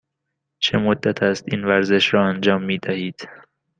چه مدت است این ورزش را انجام می دهید؟